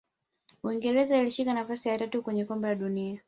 uingereza ilishika nafasi ya tatu kwenye kombe la dunia